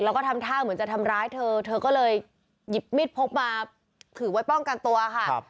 แล้วก็ทำท่าเหมือนจะทำร้ายเธอเธอก็เลยหยิบมีดพกมาถือไว้ป้องกันตัวค่ะ